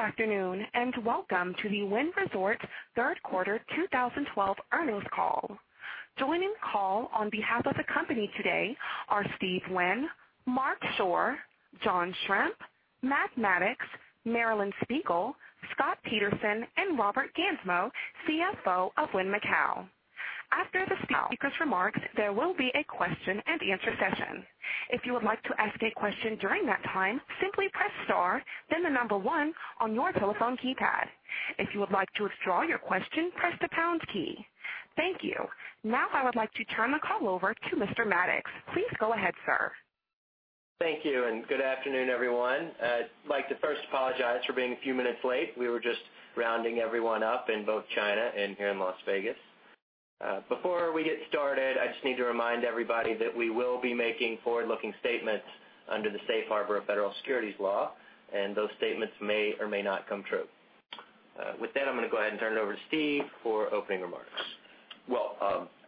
Good afternoon, and welcome to the Wynn Resorts third quarter 2012 earnings call. Joining the call on behalf of the company today are Steve Wynn, Marc Schorr, John Strzemp, Matt Maddox, Marilyn Spiegel, Scott Peterson, and Robert Gansmo, CFO of Wynn Macau. After the speakers' remarks, there will be a question-and-answer session. If you would like to ask a question during that time, simply press star, then the number 1 on your telephone keypad. If you would like to withdraw your question, press the pound key. Thank you. I would like to turn the call over to Mr. Maddox. Please go ahead, sir. Thank you, and good afternoon, everyone. I'd like to first apologize for being a few minutes late. We were just rounding everyone up in both China and here in Las Vegas. Before we get started, I just need to remind everybody that we will be making forward-looking statements under the safe harbor of federal securities law, and those statements may or may not come true. With that, I'm going to go ahead and turn it over to Steve for opening remarks.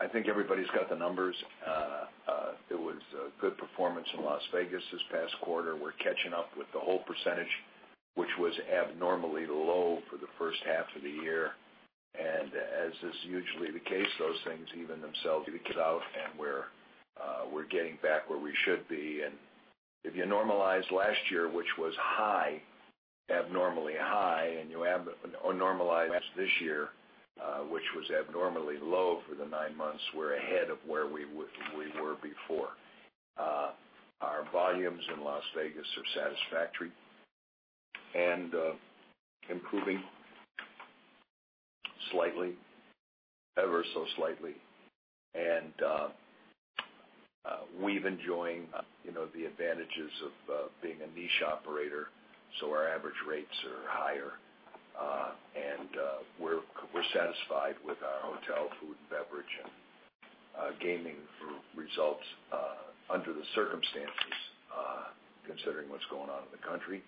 I think everybody's got the numbers. It was a good performance in Las Vegas this past quarter. We're catching up with the whole percentage, which was abnormally low for the first half of the year. As is usually the case, those things even themselves out, and we're getting back where we should be. If you normalize last year, which was abnormally high, and you normalize this year, which was abnormally low for the nine months, we're ahead of where we were before. Our volumes in Las Vegas are satisfactory and improving ever so slightly. We've enjoyed the advantages of being a niche operator, our average rates are higher. We're satisfied with our hotel, food, and beverage, and gaming results under the circumstances, considering what's going on in the country.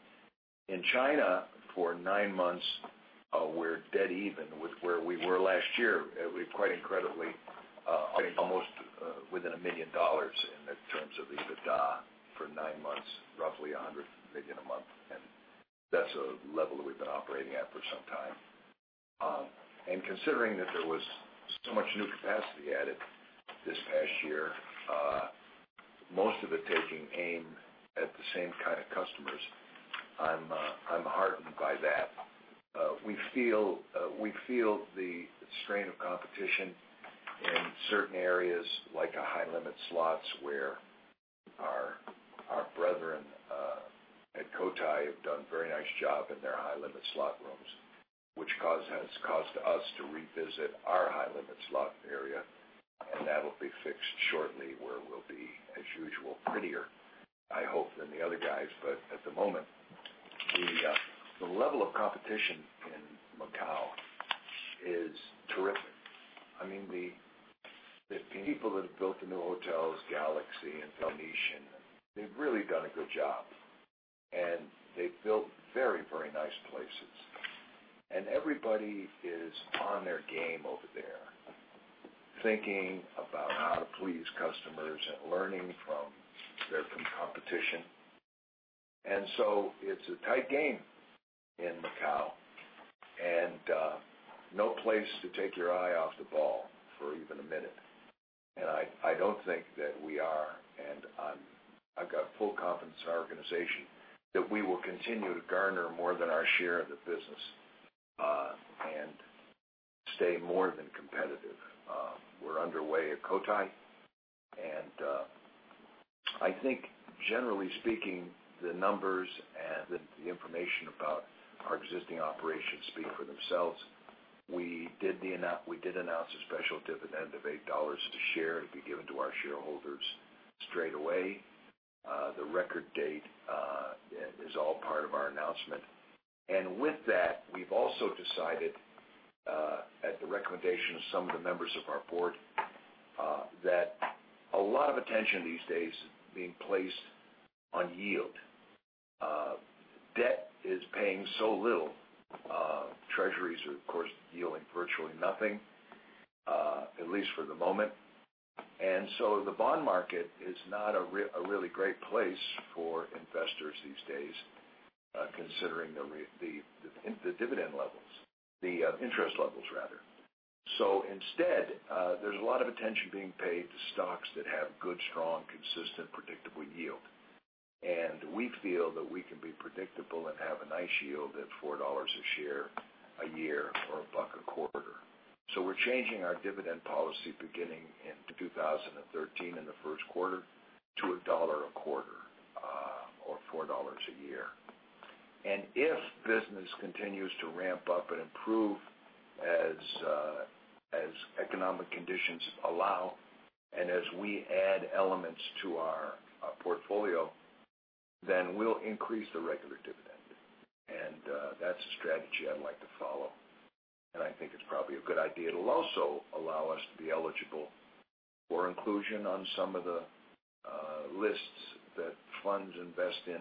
In China, for nine months, we're dead even with where we were last year. We're quite incredibly almost within $1 million in terms of EBITDA for nine months, roughly $100 million a month, and that's a level that we've been operating at for some time. Considering that there was so much new capacity added this past year, most of it taking aim at the same kind of customers, I'm heartened by that. We feel the strain of competition in certain areas like high-limit slots where our brethren at Cotai have done a very nice job in their high-limit slot rooms, which has caused us to revisit our high-limit slot area. That'll be fixed shortly, where we'll be, as usual, prettier, I hope, than the other guys. At the moment, the level of competition in Macau is terrific. The people that have built the new hotels, Galaxy and Venetian, they've really done a good job, and they've built very nice places. Everybody is on their game over there, thinking about how to please customers and learning from competition. It's a tight game in Macau, and no place to take your eye off the ball for even a minute. I don't think that we are, and I've got full confidence in our organization that we will continue to garner more than our share of the business and stay more than competitive. We're underway at Cotai, and I think generally speaking, the numbers and the information about our existing operations speak for themselves. We did announce a special dividend of $8 a share to be given to our shareholders straight away. The record date is all part of our announcement. With that, we've also decided, at the recommendation of some of the members of our board, that a lot of attention these days is being placed on yield. Debt is paying so little. Treasuries are, of course, yielding virtually nothing, at least for the moment. The bond market is not a really great place for investors these days, considering the dividend levels, the interest levels rather. Instead, there's a lot of attention being paid to stocks that have good, strong, consistent, predictable yield. We feel that we can be predictable and have a nice yield at $4 a share a year or a buck a quarter. We're changing our dividend policy beginning in 2013, in the first quarter, to a dollar a quarter or $4 a year. If business continues to ramp up and improve as economic conditions allow and as we add elements to our portfolio, then we'll increase the regular dividend. That's the strategy I'd like to follow. I think it's probably a good idea. It'll also allow us to be eligible for inclusion on some of the lists that funds invest in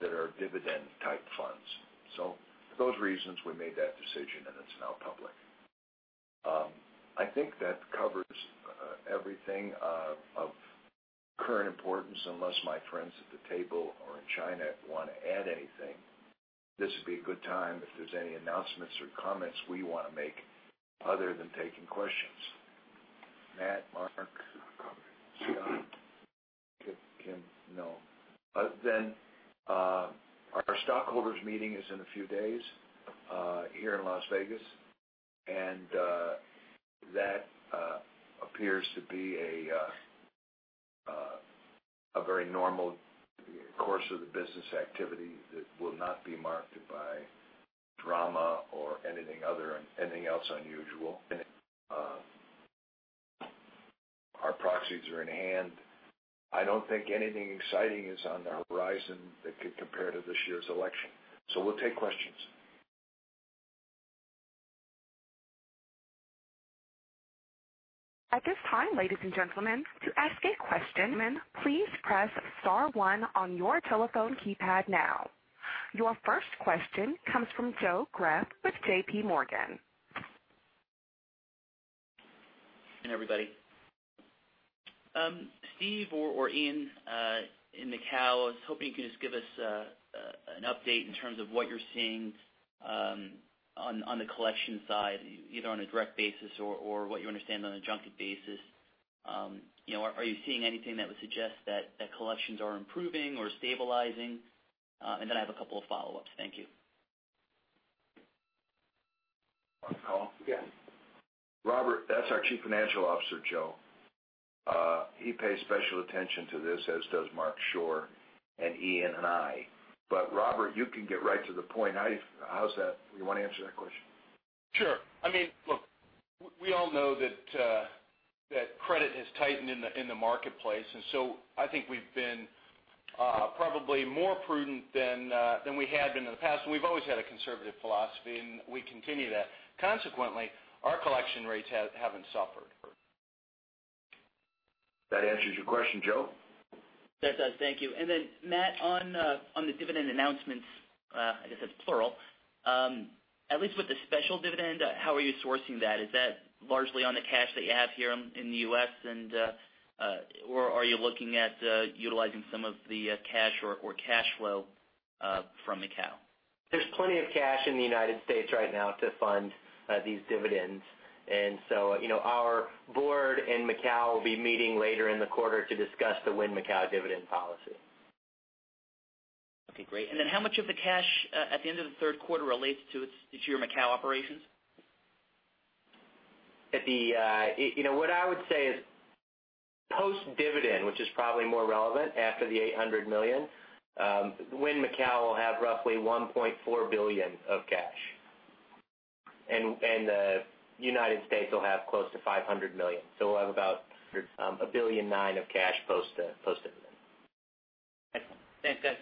that are dividend-type funds. For those reasons, we made that decision, and it's now public. I think that covers everything of current importance, unless my friends at the table or in China want to add anything. This would be a good time if there's any announcements or comments we want to make other than taking questions. Matt, Marc, Scott, Kim, no. Our stockholders meeting is in a few days here in Las Vegas, and that appears to be a very normal course of the business activity that will not be marked by drama or anything else unusual. Our proxies are in hand. I don't think anything exciting is on the horizon that could compare to this year's election. We'll take questions. At this time, ladies and gentlemen, to ask a question, please press star one on your telephone keypad now. Your first question comes from Joseph Greff with J.P. Morgan. Good morning, everybody. Steve Wynn or Ian in Macau, I was hoping you could just give us an update in terms of what you're seeing on the collection side, either on a direct basis or what you understand on a junket basis. Are you seeing anything that would suggest that collections are improving or stabilizing? I have a couple of follow-ups. Thank you. Want to call? Yes. Robert, that's our Chief Financial Officer, Joe. He pays special attention to this, as does Marc Schorr and Ian and I. Robert, you can get right to the point. How's that? You want to answer that question? Sure. Look, we all know that credit has tightened in the marketplace. I think we've been probably more prudent than we had been in the past. We've always had a conservative philosophy, and we continue that. Consequently, our collection rates haven't suffered. That answers your question, Joe? That does. Thank you. Matt, on the dividend announcements, I guess that's plural, at least with the special dividend, how are you sourcing that? Is that largely on the cash that you have here in the U.S., or are you looking at utilizing some of the cash or cash flow from Macau? There's plenty of cash in the United States right now to fund these dividends. Our board and Macau will be meeting later in the quarter to discuss the Wynn Macau dividend policy. Okay, great. How much of the cash at the end of the third quarter relates to its Macau operations? What I would say is post-dividend, which is probably more relevant after the $800 million, Wynn Macau will have roughly $1.4 billion of cash, and the U.S. will have close to $500 million. We'll have about $1.9 billion of cash post-dividend. Okay. Thanks, guys.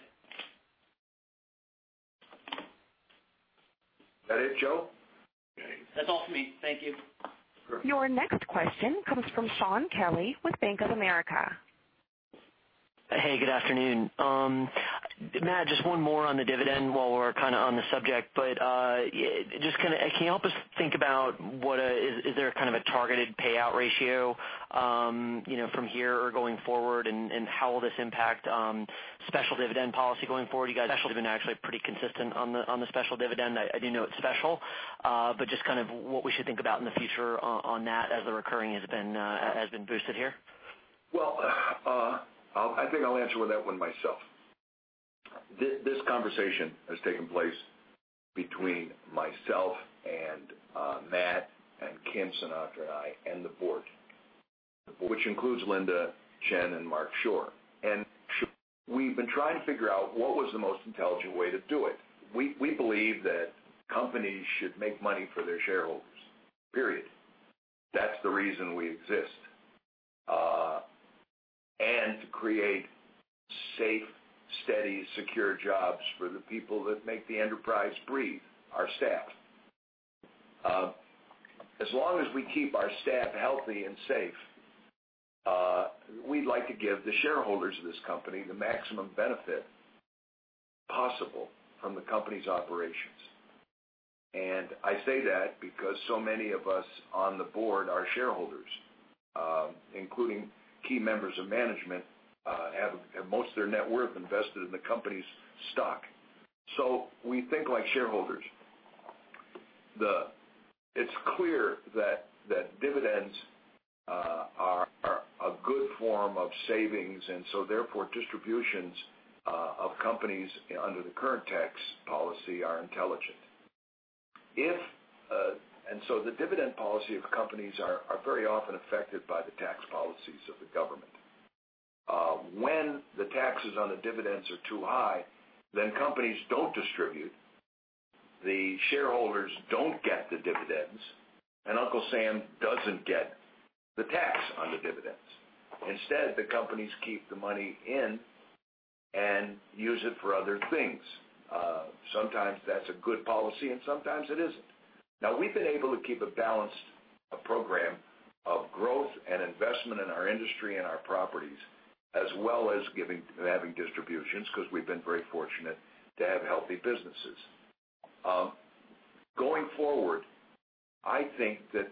Is that it, Joe? That's all for me. Thank you. Sure. Your next question comes from Shaun Kelley with Bank of America. Hey, good afternoon. Matt, just one more on the dividend while we're kind of on the subject. Can you help us think about is there a kind of a targeted payout ratio from here or going forward, how will this impact special dividend policy going forward? You guys have been actually pretty consistent on the special dividend. I do know it's special, but just kind of what we should think about in the future on that as the recurring has been boosted here. Well, I think I'll answer that one myself. This conversation has taken place between myself and Matt and Kim Sinatra and I and the board, which includes Linda Chen and Marc Schorr. We've been trying to figure out what was the most intelligent way to do it. We believe that companies should make money for their shareholders, period. That's the reason we exist. To create safe, steady, secure jobs for the people that make the enterprise breathe, our staff. As long as we keep our staff healthy and safe, we'd like to give the shareholders of this company the maximum benefit possible from the company's operations. I say that because so many of us on the board are shareholders including key members of management have most of their net worth invested in the company's stock. We think like shareholders. It's clear that dividends are a good form of savings, therefore distributions of companies under the current tax policy are intelligent. The dividend policy of companies are very often affected by the tax policies of the government. When the taxes on the dividends are too high, companies don't distribute, the shareholders don't get the dividends, Uncle Sam doesn't get the tax on the dividends. Instead, the companies keep the money in and use it for other things. Sometimes that's a good policy and sometimes it isn't. We've been able to keep a balanced investment in our industry and our properties, as well as giving and having distributions, because we've been very fortunate to have healthy businesses. Going forward, I think that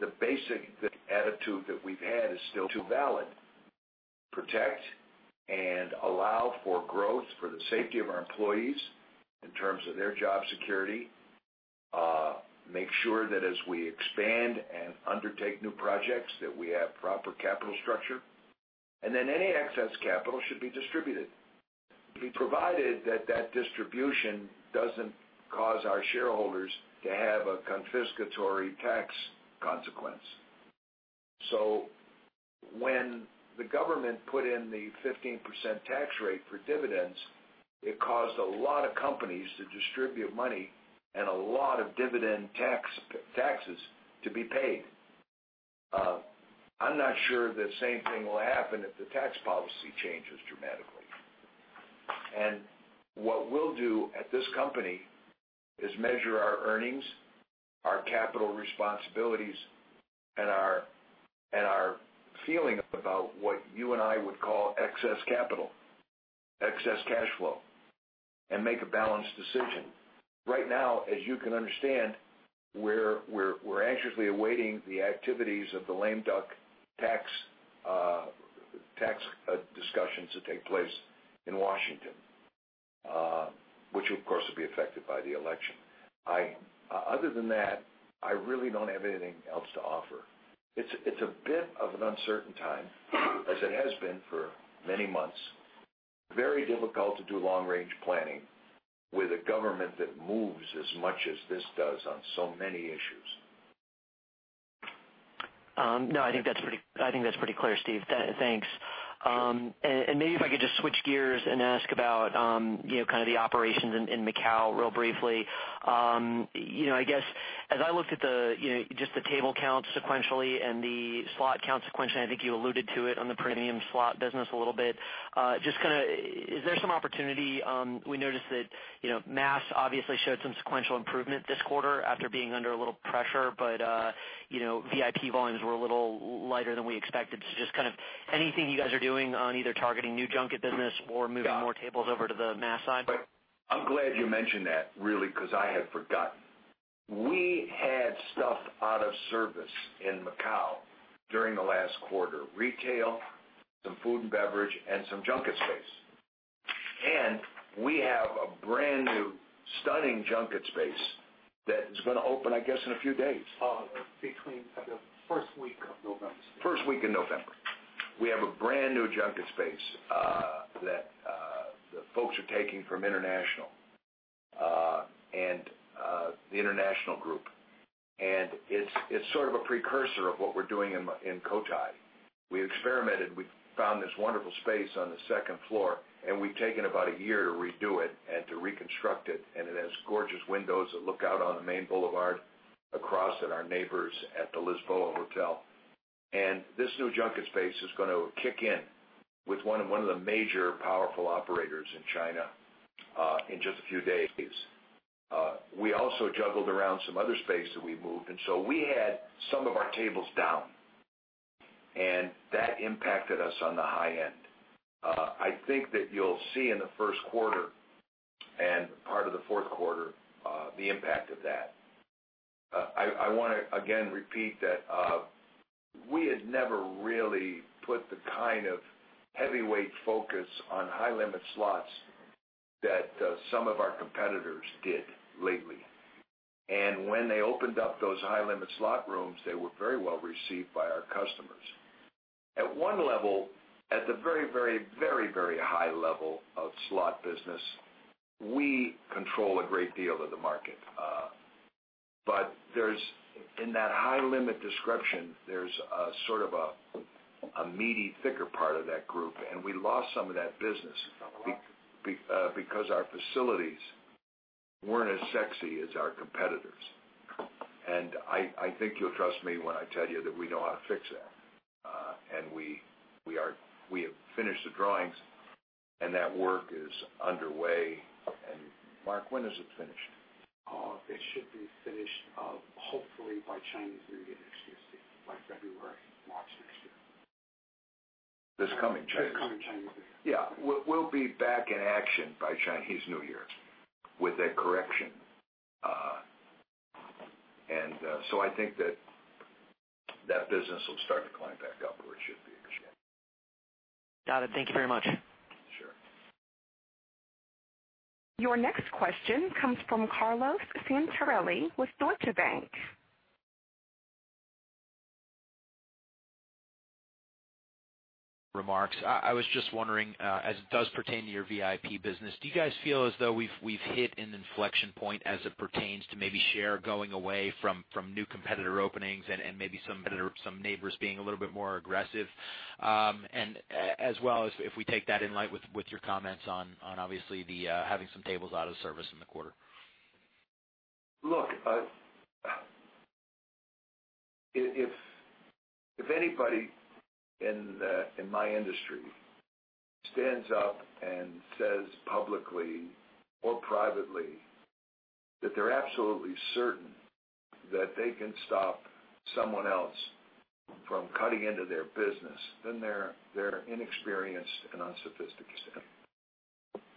the basic attitude that we've had is still too valid. Protect and allow for growth for the safety of our employees in terms of their job security, make sure that as we expand and undertake new projects, that we have proper capital structure. Then any excess capital should be distributed, provided that distribution doesn't cause our shareholders to have a confiscatory tax consequence. When the government put in the 15% tax rate for dividends, it caused a lot of companies to distribute money and a lot of dividend taxes to be paid. I'm not sure the same thing will happen if the tax policy changes dramatically. What we'll do at this company is measure our earnings, our capital responsibilities, and our feeling about what you and I would call excess capital, excess cash flow, and make a balanced decision. Right now, as you can understand, we're anxiously awaiting the activities of the lame duck tax discussions that take place in Washington, which of course, will be affected by the election. Other than that, I really don't have anything else to offer. It's a bit of an uncertain time, as it has been for many months. Very difficult to do long-range planning with a government that moves as much as this does on so many issues. No, I think that's pretty clear, Steve. Thanks. Sure. Maybe if I could just switch gears and ask about the operations in Macau real briefly. I guess as I looked at just the table count sequentially and the slot count sequentially, I think you alluded to it on the premium slot business a little bit. Is there some opportunity? We noticed that mass obviously showed some sequential improvement this quarter after being under a little pressure, but VIP volumes were a little lighter than we expected. Just anything you guys are doing on either targeting new junket business or moving more tables over to the mass side? I'm glad you mentioned that, really, because I had forgotten. We had stuff out of service in Macau during the last quarter, retail, some food and beverage, and some junket space. We have a brand-new, stunning junket space that is going to open, I guess, in a few days. Between kind of first week of November. First week in November. We have a brand-new junket space that the folks are taking from international and the international group. It's sort of a precursor of what we're doing in Cotai. We experimented, we found this wonderful space on the second floor, and we've taken about a year to redo it and to reconstruct it, and it has gorgeous windows that look out on the main boulevard across at our neighbors at the Hotel Lisboa. This new junket space is going to kick in with one of the major powerful operators in China in just a few days. We also juggled around some other space that we moved, so we had some of our tables down, that impacted us on the high end. I think that you'll see in the first quarter and part of the fourth quarter, the impact of that. I want to, again, repeat that we had never really put the kind of heavyweight focus on high-limit slots that some of our competitors did lately. When they opened up those high-limit slot rooms, they were very well received by our customers. At one level, at the very high level of slot business, we control a great deal of the market. In that high-limit description, there's sort of a meaty, thicker part of that group, we lost some of that business because our facilities weren't as sexy as our competitors. I think you'll trust me when I tell you that we know how to fix that. We have finished the drawings, that work is underway. Marc, when is it finished? It should be finished, hopefully, by Chinese New Year next year, Steve, by February, March next year. This coming. This coming Chinese New Year. Yeah. We'll be back in action by Chinese New Year with that correction. I think that that business will start to climb back up where it should be next year. Got it. Thank you very much. Sure. Your next question comes from Carlo Santarelli with Deutsche Bank. Remarks. I was just wondering, as it does pertain to your VIP business, do you guys feel as though we've hit an inflection point as it pertains to maybe share going away from new competitor openings and maybe some neighbors being a little bit more aggressive? As well as if we take that in light with your comments on obviously having some tables out of service in the quarter. Look, if anybody in my industry stands up and says publicly or privately that they're absolutely certain that they can stop someone else from cutting into their business, then they're inexperienced and unsophisticated.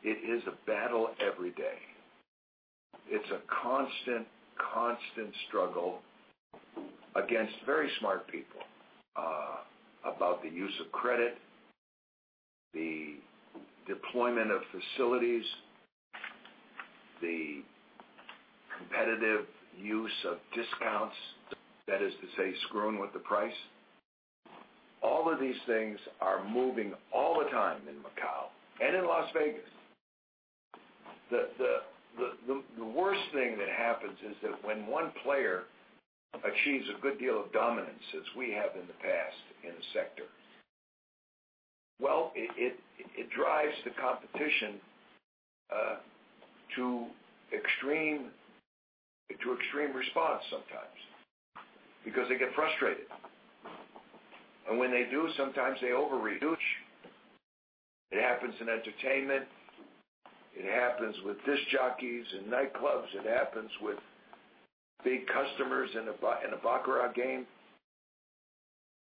It is a battle every day. It's a constant struggle against very smart people about the use of credit, the deployment of facilities, the competitive use of discounts. That is to say, screwing with the price. All of these things are moving all the time in Macau and in Las Vegas. The worst thing that happens is that when one player achieves a good deal of dominance, as we have in the past in a sector, well, it drives the competition to extreme response sometimes because they get frustrated. When they do, sometimes they overreach. It happens in entertainment. It happens with disc jockeys and nightclubs. It happens with big customers in a baccarat game.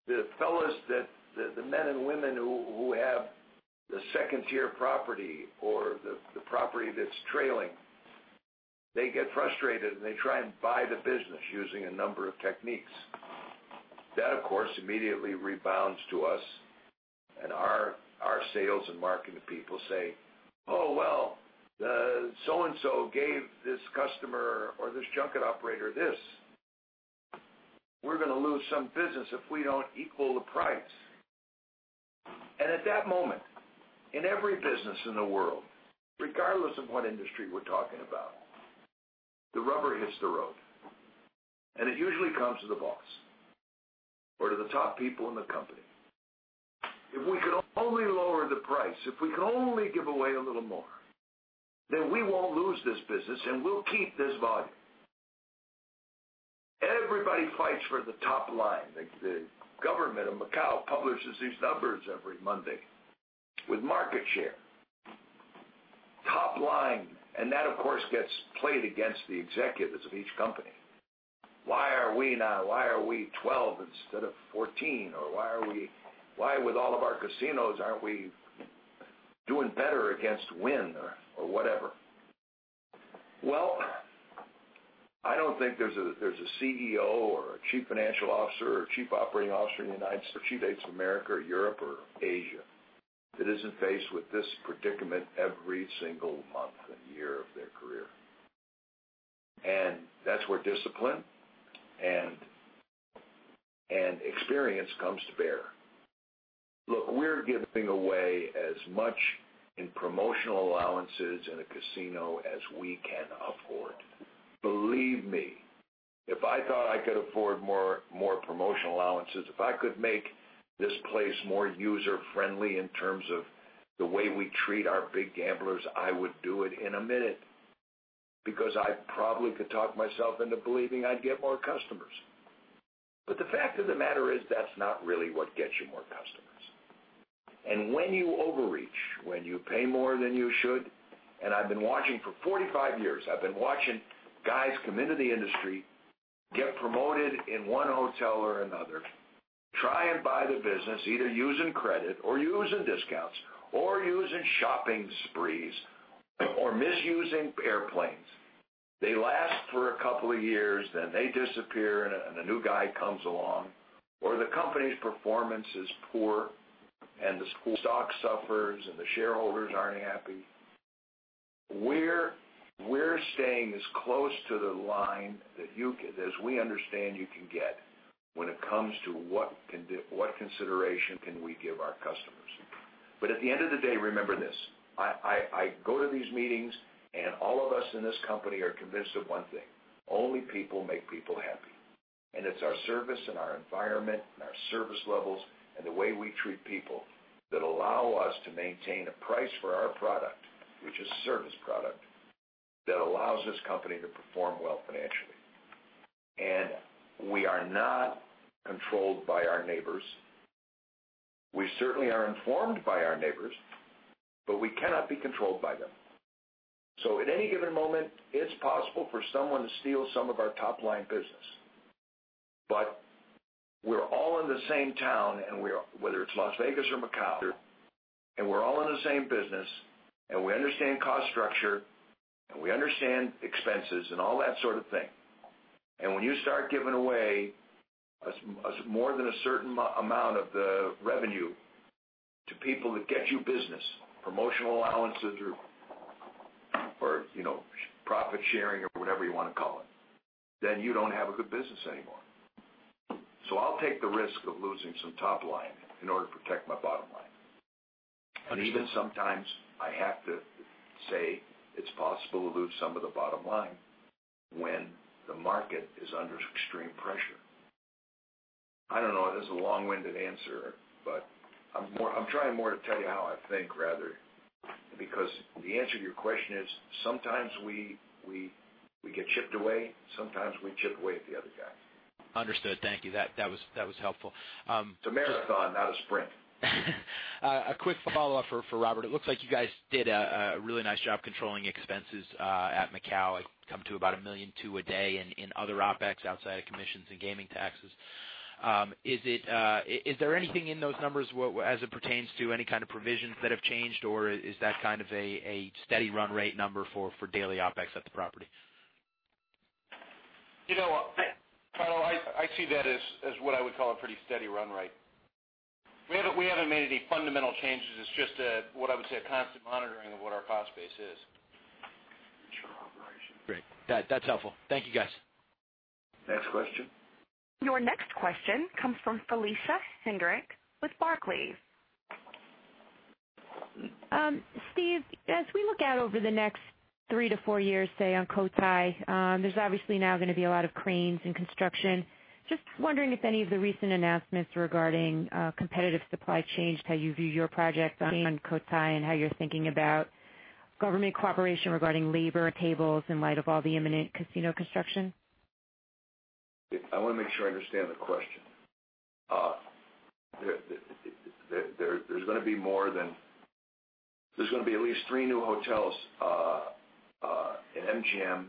The fellas, the men and women who have the second-tier property or the property that's trailing, they get frustrated, and they try and buy the business using a number of techniques. That, of course, immediately rebounds to us, and our sales and marketing people say, "Oh, well, so and so gave this customer or this junket operator this. We're going to lose some business if we don't equal the price." At that moment, in every business in the world, regardless of what industry we're talking about, the rubber hits the road, and it usually comes to the boss or to the top people in the company. If we could only lower the price, if we could only give away a little more, then we won't lose this business, and we'll keep this volume. Everybody fights for the top line. The government of Macau publishes these numbers every Monday with market share. Top line. That, of course, gets played against the executives of each company. Why are we 12 instead of 14? Or why with all of our casinos aren't we doing better against Wynn or whatever? Well, I don't think there's a CEO or a Chief Financial Officer or Chief Operating Officer in the United States of America or Europe or Asia that isn't faced with this predicament every single month and year of their career. That's where discipline and experience comes to bear. Look, we're giving away as much in promotional allowances in a casino as we can afford. Believe me, if I thought I could afford more promotional allowances, if I could make this place more user-friendly in terms of the way we treat our big gamblers, I would do it in a minute because I probably could talk myself into believing I'd get more customers. The fact of the matter is that's not really what gets you more customers. When you overreach, when you pay more than you should, and I've been watching for 45 years, I've been watching guys come into the industry, get promoted in one hotel or another, try and buy the business either using credit or using discounts or using shopping sprees or misusing airplanes. They last for a couple of years, then they disappear, and a new guy comes along, or the company's performance is poor and the stock suffers and the shareholders aren't happy. We're staying as close to the line as we understand you can get when it comes to what consideration can we give our customers. At the end of the day, remember this, I go to these meetings and all of us in this company are convinced of one thing: Only people make people happy. It's our service and our environment and our service levels and the way we treat people that allow us to maintain a price for our product, which is a service product, that allows this company to perform well financially. We are not controlled by our neighbors. We certainly are informed by our neighbors, but we cannot be controlled by them. At any given moment, it's possible for someone to steal some of our top-line business. We're all in the same town, whether it's Las Vegas or Macau, we're all in the same business, we understand cost structure, we understand expenses and all that sort of thing. When you start giving away more than a certain amount of the revenue to people that get you business, promotional allowances or profit sharing or whatever you want to call it, then you don't have a good business anymore. I'll take the risk of losing some top line in order to protect my bottom line. Even sometimes I have to say it's possible to lose some of the bottom line when the market is under extreme pressure. I don't know. This is a long-winded answer, I'm trying more to tell you how I think. The answer to your question is sometimes we get chipped away, sometimes we chip away at the other guy. Understood. Thank you. That was helpful. It's a marathon, not a sprint. A quick follow-up for Robert. It looks like you guys did a really nice job controlling expenses at Macau. It's come to about $1.2 million a day in other OPEX outside of commissions and gaming taxes. Is there anything in those numbers as it pertains to any kind of provisions that have changed, or is that kind of a steady run rate number for daily OPEX at the property? Carlo, I see that as what I would call a pretty steady run rate. We haven't made any fundamental changes, it's just what I would say a constant monitoring of what our cost base is. Sure, operation. Great. That's helpful. Thank you, guys. Next question. Your next question comes from Felicia Hendrix with Barclays. Steve, as we look out over the next three to four years, say, on Cotai, there's obviously now going to be a lot of cranes and construction. Just wondering if any of the recent announcements regarding competitive supply changed how you view your project on Cotai and how you're thinking about government cooperation regarding labor and tables in light of all the imminent casino construction. I want to make sure I understand the question. There's going to be at least three new hotels, an MGM,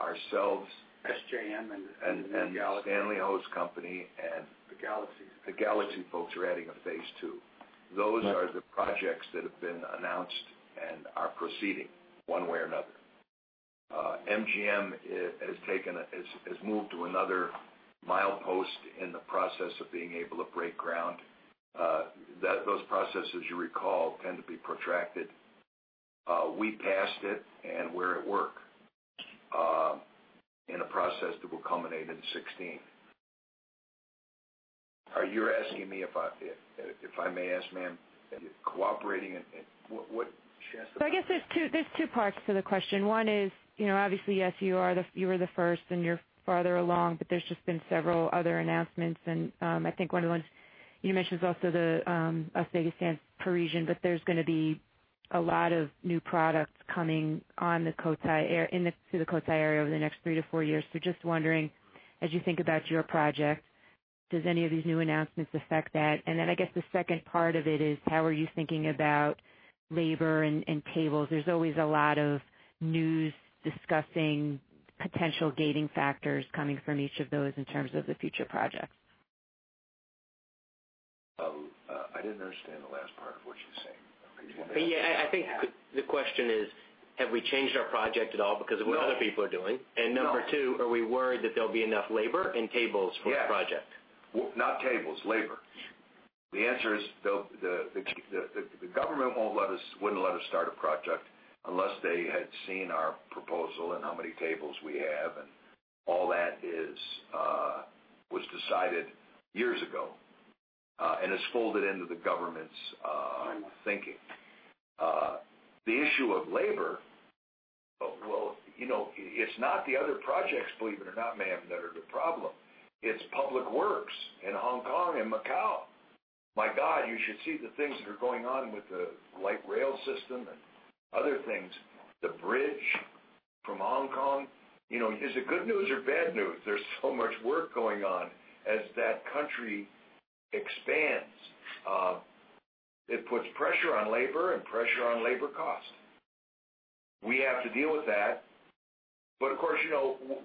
ourselves. SJM and the Galaxy Stanley Ho's company. The Galaxy The Galaxy folks are adding a phase two. Those are the projects that have been announced and are proceeding one way or another. MGM has moved to another milepost in the process of being able to break ground. Those processes, you recall, tend to be protracted. We passed it, and we're at work in a process that will culminate in 2016. Are you asking me, if I may ask, ma'am, cooperating and what she asked about? I guess there's two parts to the question. One is, obviously, yes, you were the first and you're farther along, but there's just been several other announcements, and I think one of the ones you mentioned is also the Las Vegas Sands Parisian, but there's going to be a lot of new products coming to the Cotai area over the next three to four years. Just wondering, as you think about your project, does any of these new announcements affect that? I guess the second part of it is how are you thinking about labor and tables? There's always a lot of news discussing potential gating factors coming from each of those in terms of the future projects. I didn't understand the last part of what she's saying. Could you? Yeah. I think the question is, have we changed our project at all because of what other people are doing? No. Number two, are we worried that there'll be enough labor and tables for the project? Yes. Well, not tables, labor. The answer is the government wouldn't let us start a project unless they had seen our proposal and how many tables we have, and all that was decided years ago and is folded into the government's thinking. The issue of labor, it's not the other projects, believe it or not, ma'am, that are the problem. It's public works in Hong Kong and Macau. My God, you should see the things that are going on with the light rail system and other things. The bridge from Hong Kong. Is it good news or bad news? There's so much work going on as that country expands. It puts pressure on labor and pressure on labor cost. We have to deal with that. Of course,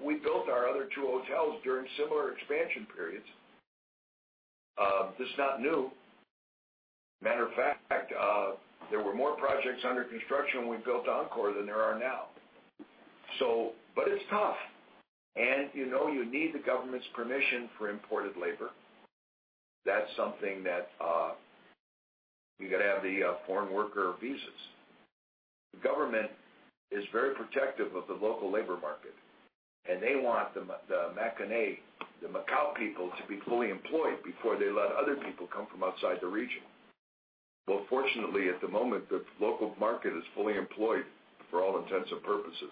we built our other two hotels during similar expansion periods. This is not new. Matter of fact, there were more projects under construction when we built Encore than there are now. It's tough, and you know you need the government's permission for imported labor. That's something that you got to have the foreign worker visas. The government is very protective of the local labor market, and they want the Macanese, the Macau people, to be fully employed before they let other people come from outside the region. Well, fortunately, at the moment, the local market is fully employed for all intents and purposes.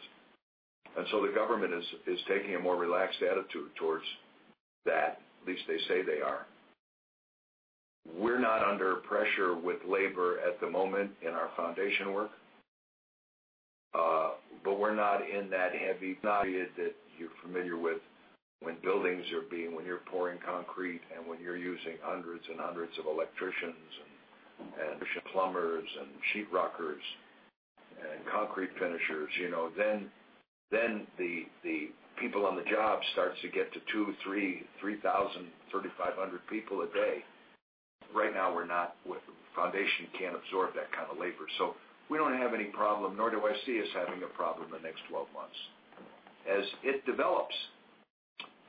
The government is taking a more relaxed attitude towards that, at least they say they are. We're not under pressure with labor at the moment in our foundation work. We're not in that heavy period that you're familiar with, when you're pouring concrete and when you're using hundreds and hundreds of electricians and plumbers and sheetrockers and concrete finishers. The people on the job starts to get to 2, 3,000, 3,500 people a day. Right now, the foundation can't absorb that kind of labor. We don't have any problem, nor do I see us having a problem in the next 12 months. As it develops,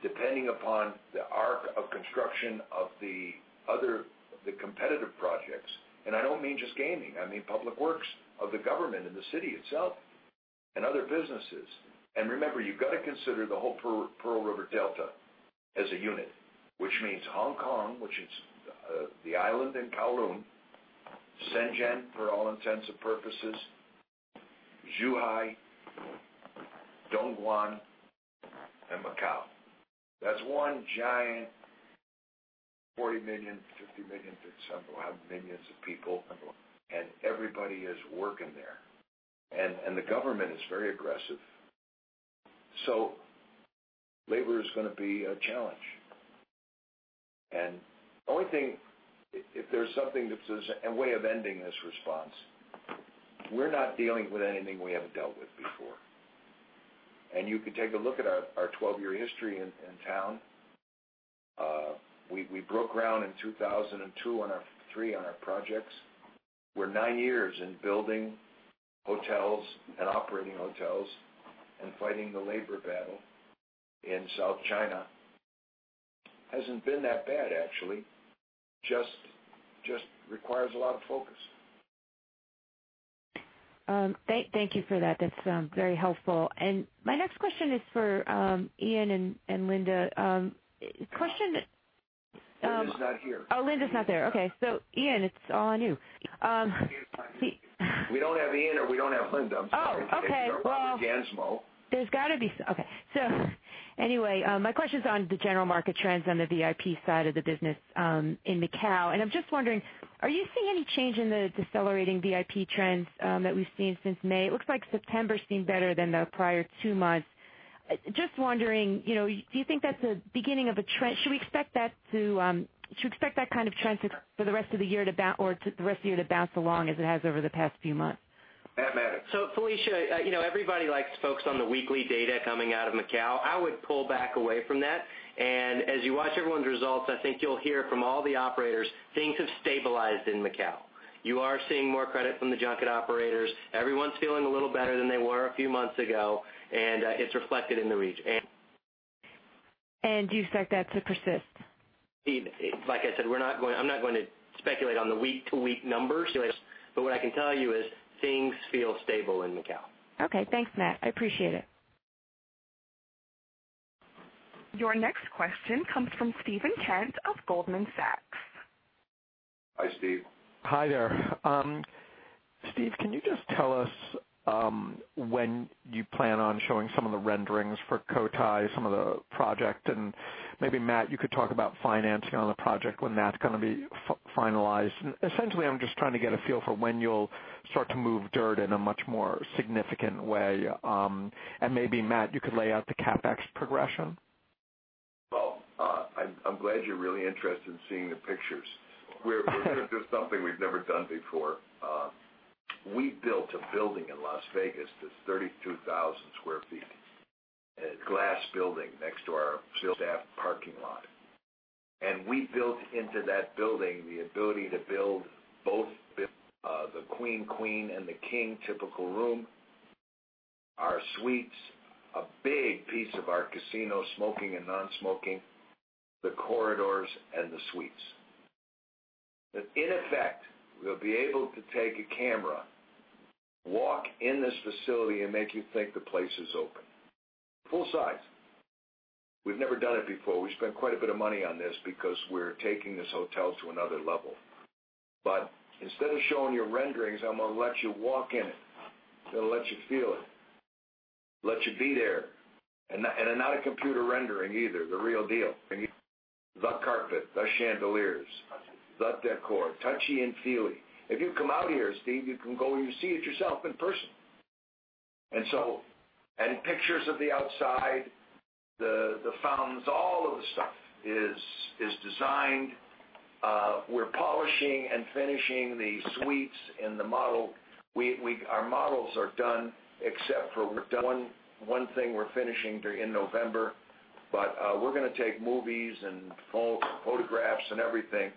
depending upon the arc of construction of the competitive projects, and I don't mean just gaming, I mean public works of the government and the city itself and other businesses. Remember, you've got to consider the whole Pearl River Delta as a unit, which means Hong Kong, which is the island in Kowloon, Shenzhen, for all intents and purposes, Zhuhai, Dongguan and Macau. That's one giant 40 million, 50 million, 57 million people, and everybody is working there. The government is very aggressive. Labor is going to be a challenge. Only thing, if there's something that is a way of ending this response, we're not dealing with anything we haven't dealt with before. You can take a look at our 12-year history in town. We broke ground in 2002 on our three projects. We're nine years in building hotels and operating hotels and fighting the labor battle in South China. Hasn't been that bad, actually. Just requires a lot of focus. Thank you for that. That's very helpful. My next question is for Ian and Linda. Linda is not here. Oh, Linda's not there. Okay. Ian, it's all on you. We don't have Ian or we don't have Linda, I'm sorry. Oh, okay. They are on the Gansmo. Okay. Anyway, my question is on the general market trends on the VIP side of the business in Macau. I'm just wondering, are you seeing any change in the decelerating VIP trends that we've seen since May? It looks like September's been better than the prior two months. Just wondering, do you think that's a beginning of a trend? Should we expect that kind of trend for the rest of the year to bounce along as it has over the past few months? That matters. Felicia, everybody likes to focus on the weekly data coming out of Macau. I would pull back away from that. As you watch everyone's results, I think you'll hear from all the operators, things have stabilized in Macau. You are seeing more credit from the junket operators. Everyone's feeling a little better than they were a few months ago, it's reflected in the region. Do you expect that to persist? Like I said, I'm not going to speculate on the week-to-week numbers, what I can tell you is things feel stable in Macau. Okay. Thanks, Matt. I appreciate it. Your next question comes from Steven Kent of Goldman Sachs. Hi, Steve. Hi there. Steve, can you just tell us when you plan on showing some of the renderings for Cotai, some of the project, maybe Matt, you could talk about financing on the project when that's going to be finalized. Essentially, I'm just trying to get a feel for when you'll start to move dirt in a much more significant way. Maybe Matt, you could lay out the CapEx progression. Well, I'm glad you're really interested in seeing the pictures. We're going to do something we've never done before. We built a building in Las Vegas that's 32,000 sq ft. A glass building next to our staff parking lot. We built into that building the ability to build both the queen and the king typical room, our suites, a big piece of our casino, smoking and non-smoking, the corridors, and the suites. In effect, we'll be able to take a camera, walk in this facility and make you think the place is open. Full size. We've never done it before. We spent quite a bit of money on this because we're taking this hotel to another level. Instead of showing you renderings, I'm going to let you walk in it, going to let you feel it, let you be there. They're not a computer rendering either, the real deal. The carpet, the chandeliers, the decor, touchy and feely. If you come out here, Steve, you can go and you see it yourself in person. Pictures of the outside, the fountains, all of the stuff is designed. We're polishing and finishing the suites and the model. Our models are done except for one thing we're finishing in November. We're going to take movies and photographs and everything.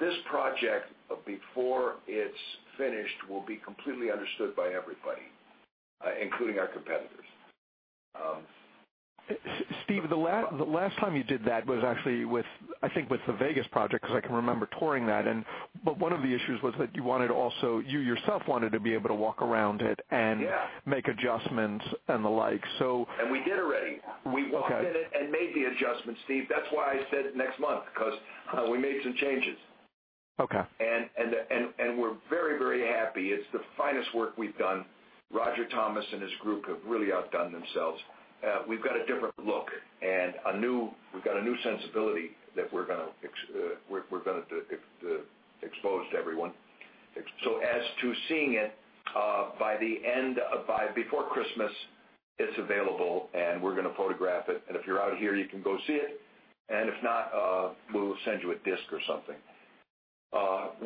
This project, before it's finished, will be completely understood by everybody, including our competitors. Steve, the last time you did that was actually, I think with the Vegas project, because I can remember touring that. One of the issues was that you wanted also, you yourself wanted to be able to walk around it. Yeah make adjustments and the like. We did already. Okay. We walked in it and made the adjustments, Steve. That's why I said next month, because we made some changes. Okay. We're very, very happy. It's the finest work we've done. Roger Thomas and his group have really outdone themselves. We've got a different look and we've got a new sensibility that we're going to expose to everyone. As to seeing it, before Christmas, it's available and we're going to photograph it. If you're out here, you can go see it. If not, we'll send you a disc or something.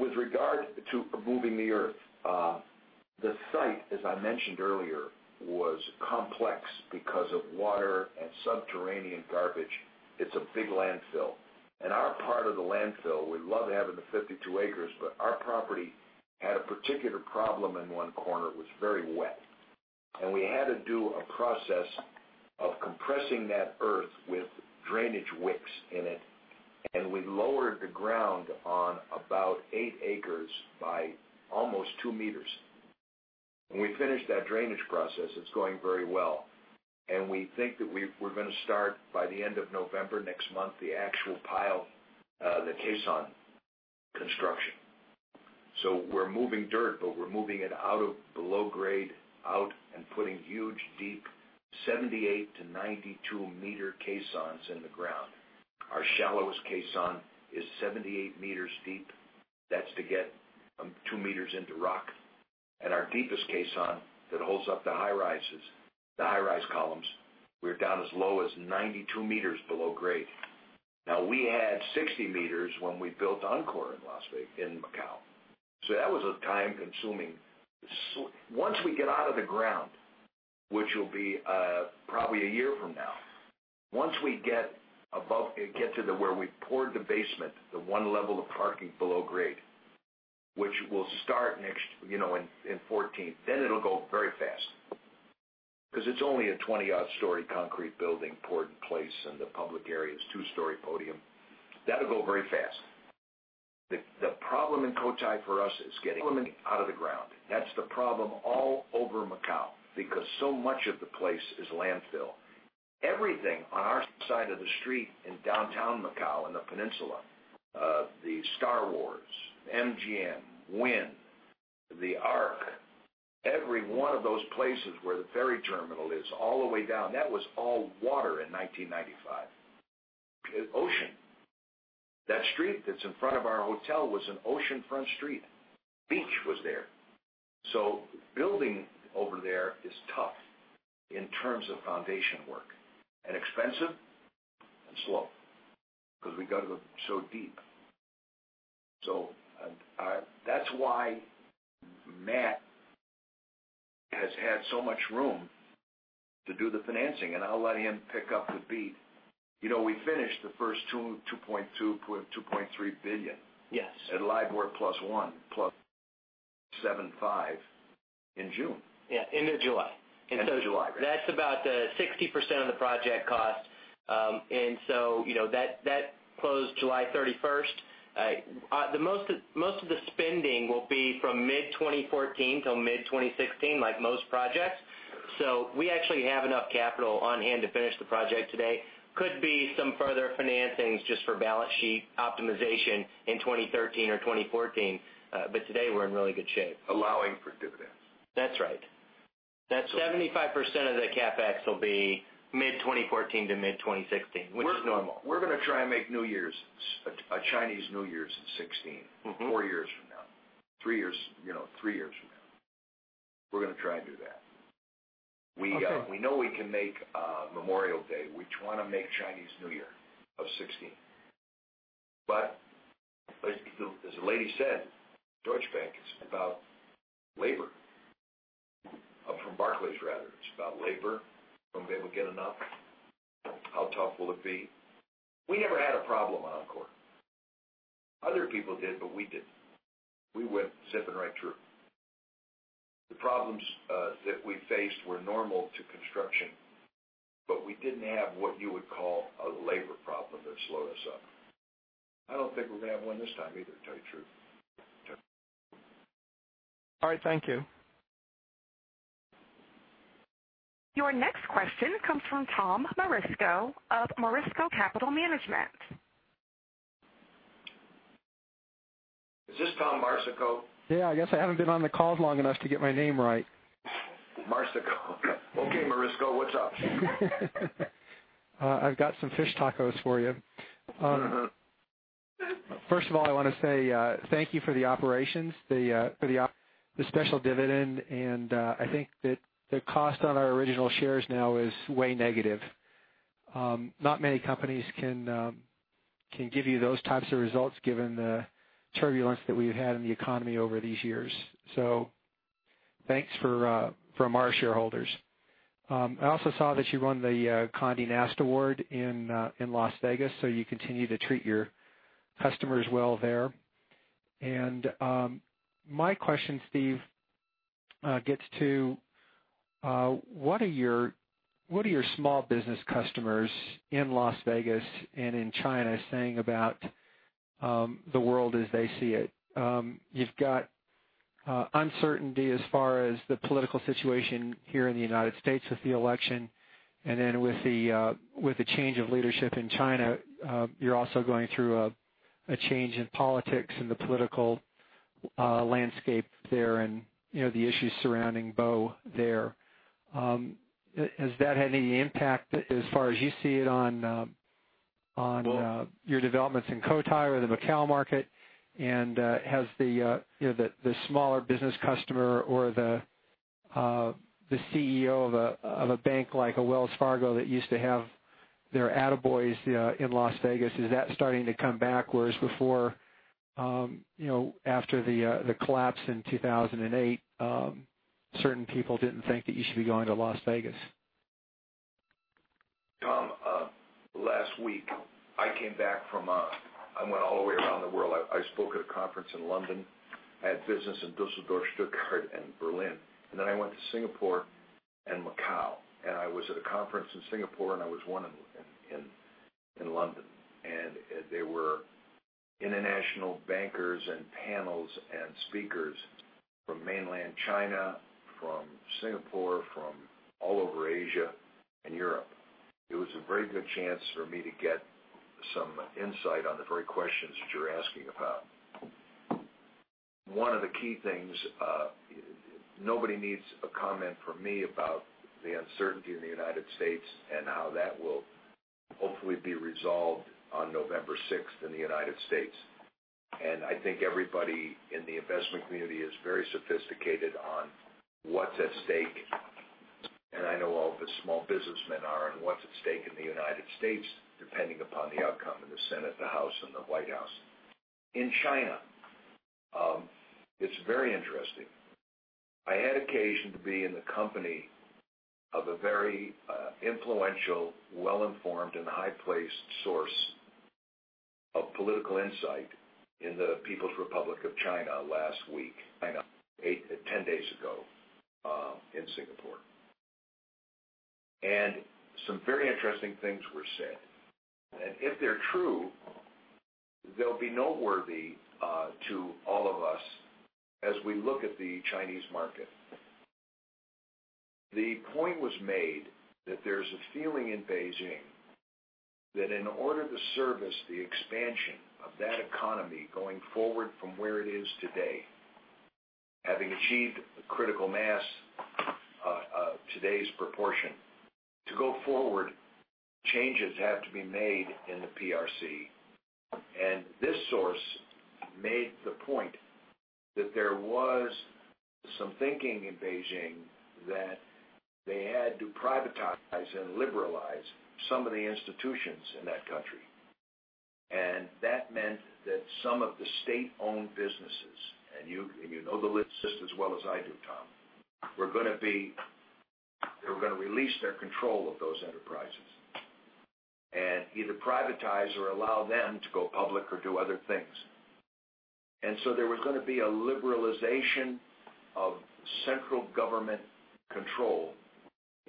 With regard to moving the earth, the site, as I mentioned earlier, was complex because of water and subterranean garbage. It's a big landfill. Our part of the landfill, we love having the 52 acres, but our property had a particular problem in one corner. It was very wet. We had to do a process of compressing that earth with drainage wicks in it, and we lowered the ground on about eight acres by almost two meters. When we finish that drainage process, it's going very well. We think that we're going to start by the end of November next month, the actual pile, the caisson construction. We're moving dirt, but we're moving it out of the low grade out and putting huge, deep, 78 to 92-meter caissons in the ground. Our shallowest caisson is 78 meters deep. That's to get two meters into rock. Our deepest caisson that holds up the high-rise columns, we're down as low as 92 meters below grade. Now, we had 60 meters when we built Encore in Macau. That was time-consuming. Once we get out of the ground, which will be probably a year from now, once we get to where we've poured the basement, the one level of parking below grade, which will start in 2014, then it'll go very fast because it's only a 20-odd story concrete building poured in place in the public areas, two-story podium. That'll go very fast. The problem in Cotai for us is getting out of the ground. That's the problem all over Macau because so much of the place is landfill. Everything on our side of the street in downtown Macau, in the peninsula, the StarWorld, MGM, Wynn, L'Arc Macau, every one of those places where the ferry terminal is all the way down, that was all water in 1995. Ocean. That street that's in front of our hotel was an oceanfront street. Beach was there. Building over there is tough in terms of foundation work and expensive and slow because we've got to go so deep. That's why Matt has had so much room to do the financing, and I'll let him pick up the beat. We finished the first $2.2 billion-$2.3 billion. Yes at LIBOR plus one plus 75 in June. Yeah, end of July. End of July. That's about 60% of the project cost. That closed July 31st. Most of the spending will be from mid-2014 till mid-2016, like most projects. We actually have enough capital on hand to finish the project today. Could be some further financings just for balance sheet optimization in 2013 or 2014. Today we're in really good shape. Allowing for dividends. That's right. 75% of the CapEx will be mid-2014 to mid-2016, which is normal. We're going to try and make Chinese New Year's 2016. Four years from now. Three years from now. We're going to try and do that. Okay. We know we can make Memorial Day. We want to make Chinese New Year of 2016. As the lady said, Deutsche Bank, it's about labor. From Barclays, rather, it's about labor. Will we be able to get enough? How tough will it be? We never had a problem on Encore. Other people did, but we didn't. We went zip and right through. The problems that we faced were normal to construction, but we didn't have what you would call a labor problem that slowed us up. I don't think we're going to have one this time either, to tell you the truth. All right, thank you. Your next question comes from Tom Marsico of Marsico Capital Management. Is this Tom Marsico? Yeah, I guess I haven't been on the calls long enough to get my name right. Marsico. Okay, Marsico, what's up? I've got some fish tacos for you. First of all, I want to say thank you for the operations, for the special dividend, and I think that the cost on our original shares now is way negative. Not many companies can give you those types of results given the turbulence that we've had in the economy over these years. Thanks from our shareholders. I also saw that you won the Condé Nast award in Las Vegas, so you continue to treat your customers well there. My question, Steve, gets to, what are your small business customers in Las Vegas and in China saying about the world as they see it? You've got uncertainty as far as the political situation here in the U.S. with the election, then with the change of leadership in China, you're also going through a change in politics and the political landscape there and the issues surrounding Bo there. Has that had any impact as far as you see it on your developments in Cotai or the Macao market? Has the smaller business customer or the CEO of a bank like a Wells Fargo that used to have their attaboys in Las Vegas, is that starting to come back, whereas before, after the collapse in 2008, certain people didn't think that you should be going to Las Vegas? Tom, last week, I went all the way around the world. I spoke at a conference in London. I had business in Düsseldorf, Stuttgart, and Berlin. Then I went to Singapore and Macao, and I was at a conference in Singapore, and I was one in London. They were international bankers and panels and speakers From mainland China, from Singapore, from all over Asia and Europe. It was a very good chance for me to get some insight on the very questions that you're asking about. One of the key things, nobody needs a comment from me about the uncertainty in the U.S. and how that will hopefully be resolved on November 6th in the U.S. I think everybody in the investment community is very sophisticated on what's at stake, and I know all of the small businessmen are on what's at stake in the U.S., depending upon the outcome of the Senate, the House, and the White House. In China, it's very interesting. I had occasion to be in the company of a very influential, well-informed, and high-placed source of political insight in the People's Republic of China last week, 10 days ago in Singapore. Some very interesting things were said. If they're true, they'll be noteworthy to all of us as we look at the Chinese market. The point was made that there's a feeling in Beijing that in order to service the expansion of that economy going forward from where it is today, having achieved the critical mass of today's proportion, to go forward, changes have to be made in the PRC. This source made the point that there was some thinking in Beijing that they had to privatize and liberalize some of the institutions in that country. That meant that some of the state-owned businesses, and you know the list just as well as I do, Tom, they were going to release their control of those enterprises and either privatize or allow them to go public or do other things. There was going to be a liberalization of central government control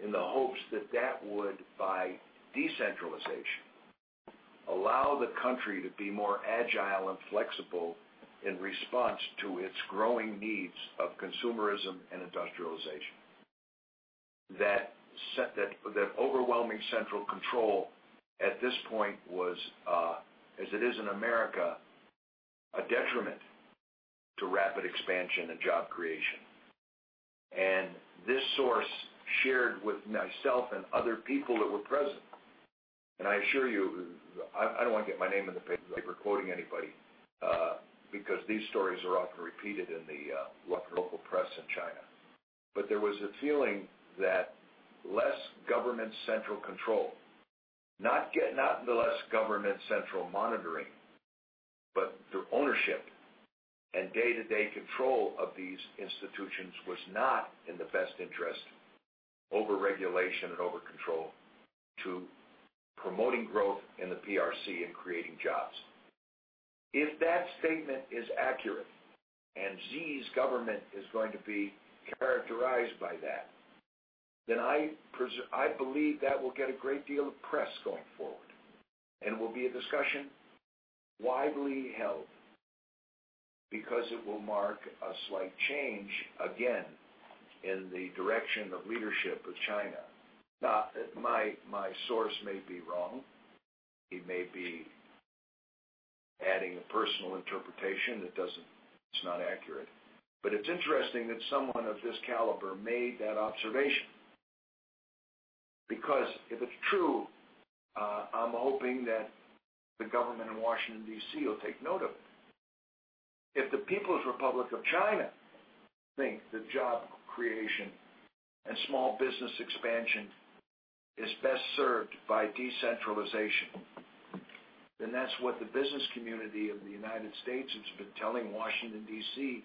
in the hopes that that would, by decentralization, allow the country to be more agile and flexible in response to its growing needs of consumerism and industrialization. That overwhelming central control at this point was, as it is in America, a detriment to rapid expansion and job creation. This source shared with myself and other people that were present, and I assure you, I don't want to get my name in the paper quoting anybody, because these stories are often repeated in the local press in China. There was a feeling that less government central control, not less government central monitoring, but the ownership and day-to-day control of these institutions was not in the best interest, overregulation and overcontrol, to promoting growth in the PRC and creating jobs. If that statement is accurate, Xi's government is going to be characterized by that, I believe that will get a great deal of press going forward, and will be a discussion widely held because it will mark a slight change again in the direction of leadership of China. My source may be wrong. He may be adding a personal interpretation that it's not accurate. It's interesting that someone of this caliber made that observation. If it's true, I'm hoping that the government in Washington, D.C. will take note of it. If the People's Republic of China think that job creation and small business expansion is best served by decentralization, that's what the business community of the United States has been telling Washington, D.C.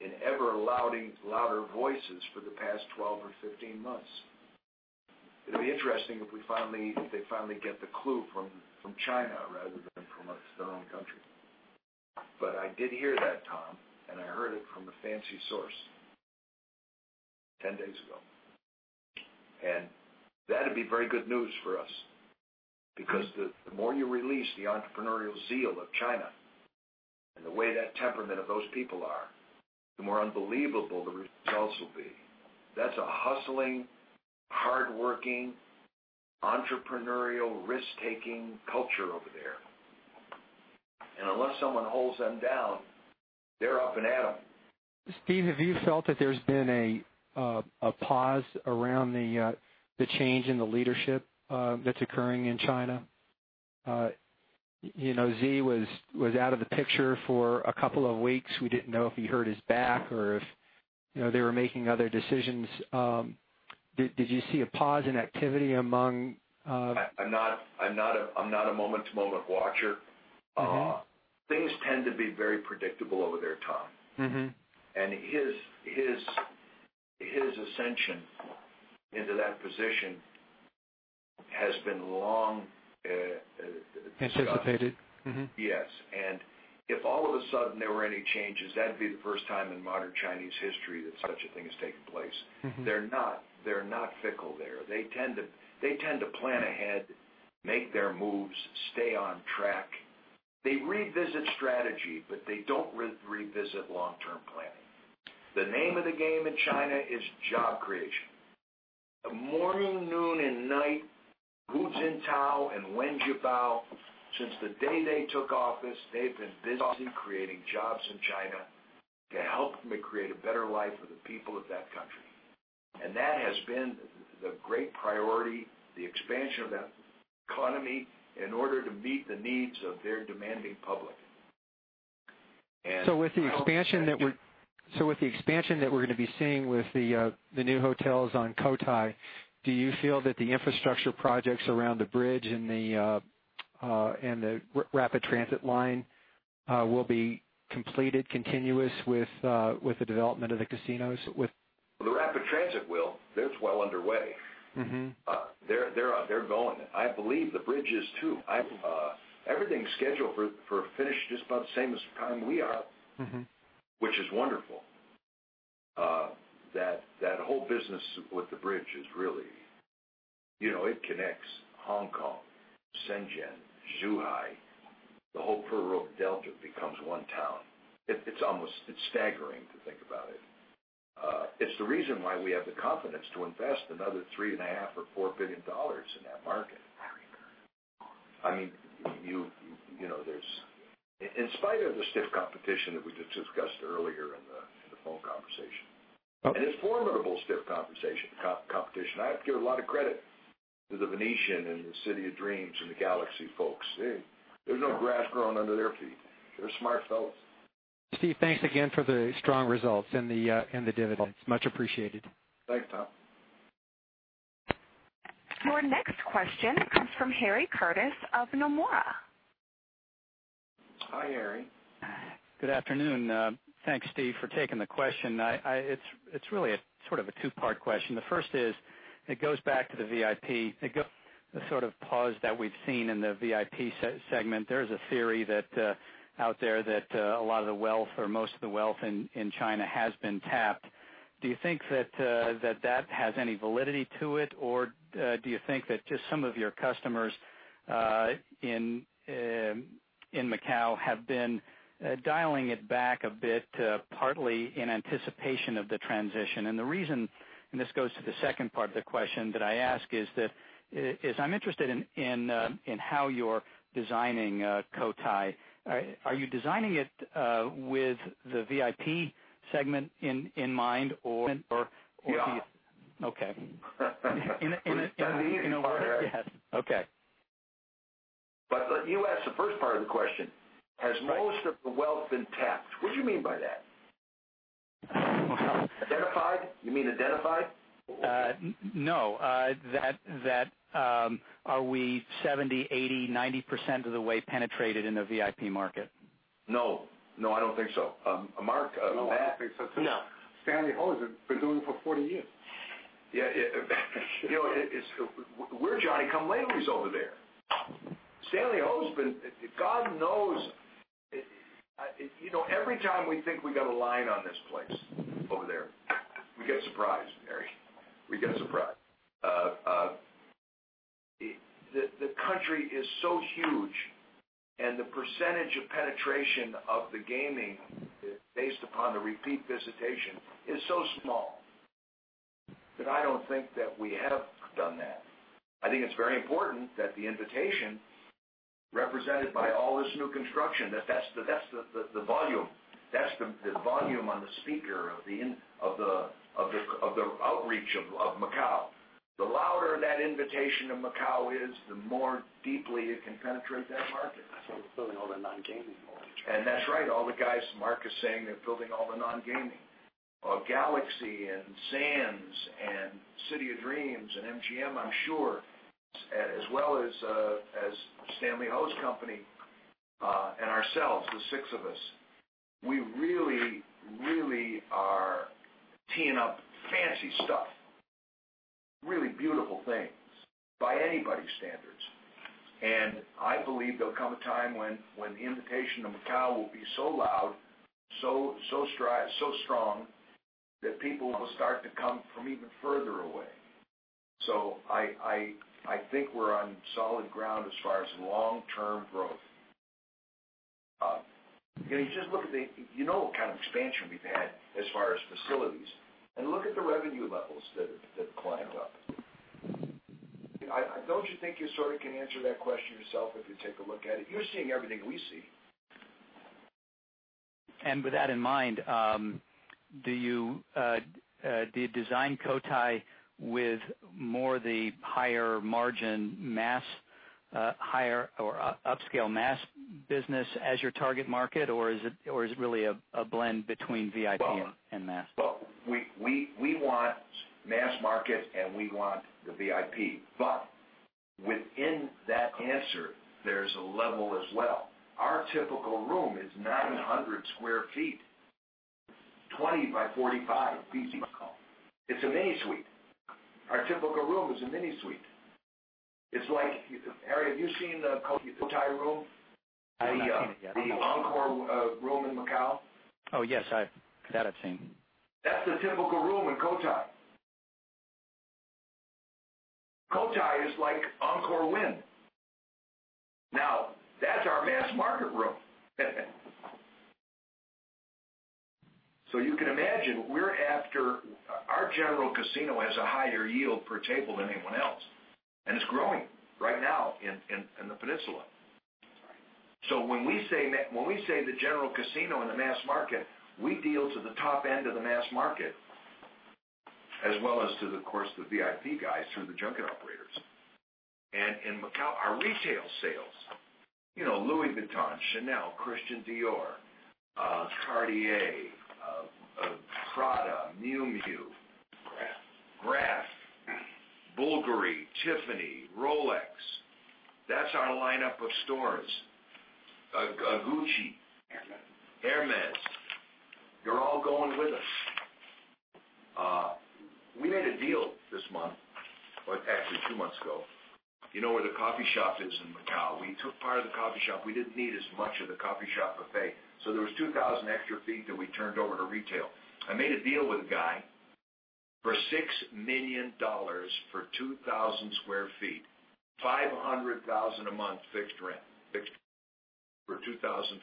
in ever louder voices for the past 12 or 15 months. It'll be interesting if they finally get the clue from China rather than from their own country. I did hear that, Tom, and I heard it from a fancy source 10 days ago. That'd be very good news for us. The more you release the entrepreneurial zeal of China, and the way that temperament of those people are, the more unbelievable the results will be. That's a hustling, hardworking, entrepreneurial, risk-taking culture over there. Unless someone holds them down, they're up and at them. Steve, have you felt that there's been a pause around the change in the leadership that's occurring in China? Xi was out of the picture for a couple of weeks. We didn't know if he hurt his back or if they were making other decisions. Did you see a pause in activity? I'm not a moment-to-moment watcher. Things tend to be very predictable over there, Tom. His ascension into that position has been. Anticipated. Mm-hmm. If all of a sudden there were any changes, that'd be the first time in modern Chinese history that such a thing has taken place. They're not fickle there. They tend to plan ahead, make their moves, stay on track. They revisit strategy, but they don't revisit long-term planning. The name of the game in China is job creation. Morning, noon, and night, Hu Jintao and Wen Jiabao, since the day they took office, they've been busy creating jobs in China to help them create a better life for the people of that country. That has been the great priority, the expansion of that economy in order to meet the needs of their demanding public. With the expansion that we're going to be seeing with the new hotels on Cotai, do you feel that the infrastructure projects around the bridge and the rapid transit line will be completed continuous with the development of the casinos? The rapid transit will. That's well underway. They're going. I believe the bridge is too. Everything's scheduled for finish just about the same as the time we are. Which is wonderful. That whole business with the bridge, it connects Hong Kong, Shenzhen, Zhuhai. The whole Pearl River Delta becomes one town. It's staggering to think about it. It's the reason why we have the confidence to invest another $3.5 billion or $4 billion in that market. In spite of the stiff competition that we just discussed earlier in the phone conversation. It's formidable stiff competition. I have to give a lot of credit to The Venetian and the City of Dreams and the Galaxy folks. There's no grass growing under their feet. They're smart fellas. Steve, thanks again for the strong results and the dividends. Much appreciated. Thanks, Tom. Your next question comes from Harry Curtis of Nomura. Hi, Harry. Good afternoon. Thanks, Steve, for taking the question. It's really sort of a two-part question. The first is, it goes back to the VIP, the sort of pause that we've seen in the VIP segment. There's a theory out there that a lot of the wealth or most of the wealth in China has been tapped. Do you think that has any validity to it? Or do you think that just some of your customers in Macao have been dialing it back a bit, partly in anticipation of the transition? The reason, and this goes to the second part of the question that I ask, is I'm interested in how you're designing Cotai. Are you designing it with the VIP segment in mind or. Yeah. Okay. That's the easy part, Harry. Yes. Okay. You asked the first part of the question. Right. Has most of the wealth been tapped? What do you mean by that? Well. Identified? You mean identified? No. That are we 70%, 80%, 90% of the way penetrated in the VIP market? No, I don't think so. Marc, Matt? No, I don't think so too. No. Stanley Ho has been doing it for 40 years. Yeah. We're Johnny-come-latelies over there. Stanley Ho's been, God knows, every time we think we got a line on this place over there, we get surprised, Harry. We get surprised. The country is so huge, and the percentage of penetration of the gaming based upon the repeat visitation is so small that I don't think that we have done that. I think it's very important that the invitation represented by all this new construction, that that's the volume on the speaker of the outreach of Macau. The louder that invitation to Macau is, the more deeply it can penetrate that market. That's why we're building all the non-gaming That's right. All the guys Marc is saying are building all the non-gaming. Galaxy and Sands and City of Dreams and MGM, I'm sure, as well as Stanley Ho's company, and ourselves, the six of us, we really are teeing up fancy stuff, really beautiful things by anybody's standards. I believe there'll come a time when the invitation of Macao will be so loud, so strong, that people will start to come from even further away. I think we're on solid ground as far as long-term growth. You know what kind of expansion we've had as far as facilities, and look at the revenue levels that climbed up. Don't you think you sort of can answer that question yourself if you take a look at it? You're seeing everything we see. With that in mind, do you design Cotai with more the higher margin mass, higher or upscale mass business as your target market, or is it really a blend between VIP and mass? Well, we want mass market, and we want the VIP. Within that answer, there's a level as well. Our typical room is 900 sq ft, 20 by 45 ft. It's a mini suite. Our typical room is a mini suite. Harry, have you seen the Cotai room? I've not seen it yet, no. The Encore room in Macau? Oh, yes. That I've seen. That's the typical room in Cotai is like Wynn and Encore. That's our mass market room. You can imagine, our general casino has a higher yield per table than anyone else, and it's growing right now in the Peninsula. When we say the general casino and the mass market, we deal to the top end of the mass market, as well as to, of course, the VIP guys through the junket operators. In Macau, our retail sales, Louis Vuitton, Chanel, Christian Dior, Cartier, Prada, Miu Miu- Graff. Graff, Bulgari, Tiffany, Rolex. That's our lineup of stores. Gucci. Hermès. Hermès. They're all going with us. We made a deal this month, or actually two months ago. You know where the coffee shop is in Macau? We took part of the coffee shop. We didn't need as much of the coffee shop buffet, so there was 2,000 extra feet that we turned over to retail. I made a deal with a guy for $6 million for 2,000 square feet. $500,000 a month fixed rent for 2,000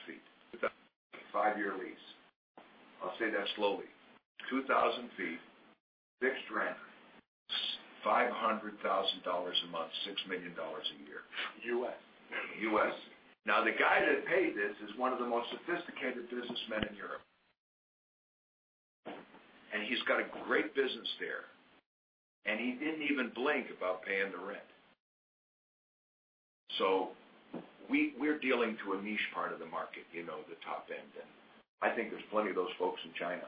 feet, five-year lease. I'll say that slowly. 2,000 feet, fixed rent, $500,000 a month, $6 million a year. US. U.S. The guy that paid this is one of the most sophisticated businessmen in Europe. He's got a great business there. He didn't even blink about paying the rent. We're dealing to a niche part of the market, the top end, and I think there's plenty of those folks in China.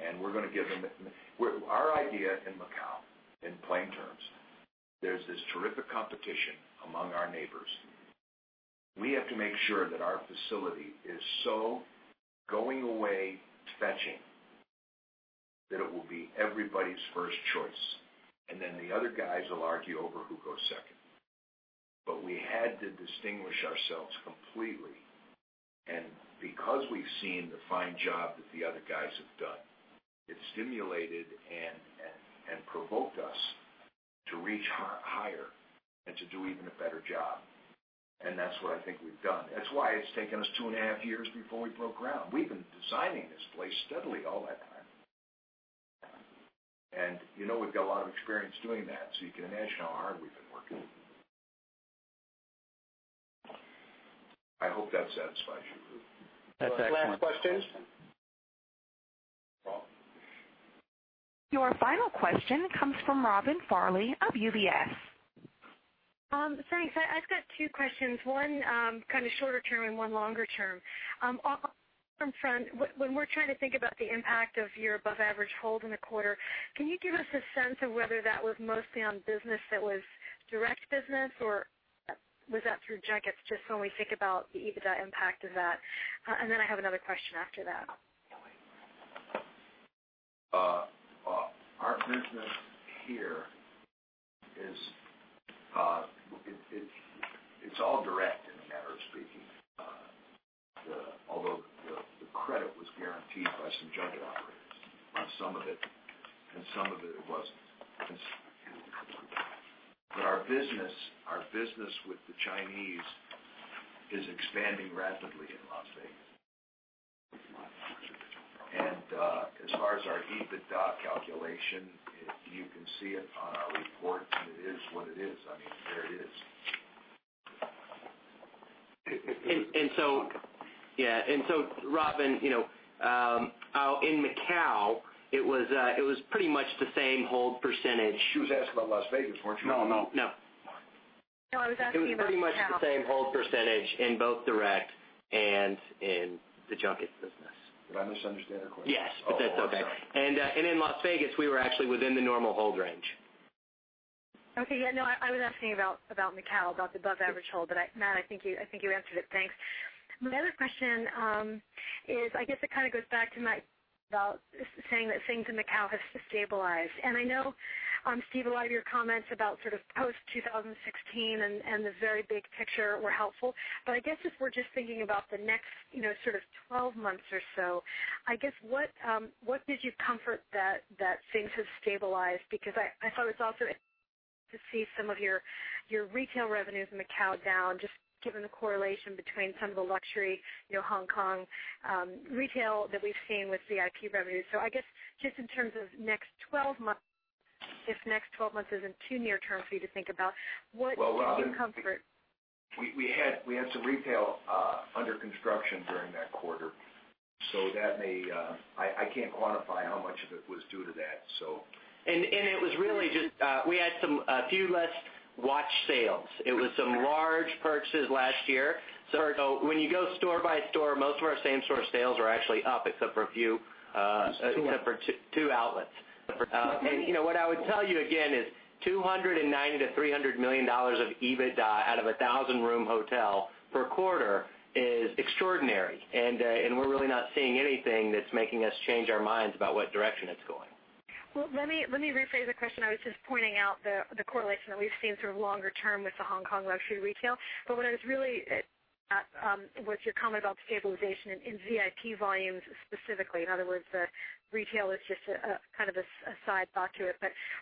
Our idea in Macau, in plain terms, there's this terrific competition among our neighbors. We have to make sure that our facility is so going away fetching that it will be everybody's first choice. Then the other guys will argue over who goes second. We had to distinguish ourselves completely. Because we've seen the fine job that the other guys have done, it stimulated and provoked us to reach higher and to do even a better job. That's what I think we've done. That's why it's taken us two and a half years before we broke ground. We've been designing this place steadily all that time. We've got a lot of experience doing that, so you can imagine how hard we've been working. I hope that satisfies you. That's excellent. Last questions? No problem. Your final question comes from Robin Farley of UBS. Thanks. I've got two questions, one shorter-term and one longer-term. From front, when we're trying to think about the impact of your above-average hold in the quarter, can you give us a sense of whether that was mostly on business that was direct business, or was that through junkets, just when we think about the EBITDA impact of that? I have another question after that. Our business here is all direct in a manner of speaking, although the credit was guaranteed by some junket operators on some of it, and some of it wasn't. Our business with the Chinese is expanding rapidly in Las Vegas. As far as our EBITDA calculation, you can see it on our report, and it is what it is. There it is. Robin, in Macau, it was pretty much the same hold percentage. She was asking about Las Vegas, weren't you? No, no. No, I was asking about Macau. It was pretty much the same hold percentage in both direct and in the junket business. Did I misunderstand her question? Yes, but that's okay. Oh, I'm sorry. In Las Vegas, we were actually within the normal hold range. Okay. Yeah, no, I was asking about Macau, about the above average hold. Matt, I think you answered it, thanks. My other question is, I guess it goes back to my about saying that things in Macau have stabilized. I know, Steve, a lot of your comments about post-2016 and the very big picture were helpful. I guess if we're just thinking about the next 12 months or so, I guess, what gives you comfort that things have stabilized? I thought it was also interesting to see some of your retail revenues in Macau down, just given the correlation between some of the luxury Hong Kong retail that we've seen with VIP revenues. I guess, just in terms of next 12 months, if next 12 months isn't too near-term for you to think about, what gives you comfort? We had some retail under construction during that quarter. I can't quantify how much of it was due to that. It was really just we had a few less watch sales. It was some large purchases last year. When you go store by store, most of our same store sales are actually up, except for two outlets. What I would tell you again is $290 million-$300 million of EBITDA out of a 1,000-room hotel per quarter is extraordinary, and we're really not seeing anything that's making us change our minds about what direction it's going. Well, let me rephrase the question. I was just pointing out the correlation that we've seen longer-term with the Hong Kong luxury retail. What's your comment about stabilization in VIP volumes specifically? In other words, retail is just kind of a side thought to it.